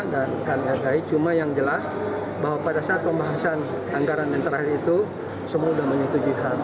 dan akan menghargai cuma yang jelas bahwa pada saat pembahasan anggaran yang terakhir itu semua sudah menyetujukan hal tersebut